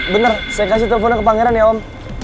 bener saya kasih teleponnya ke pangeran ya om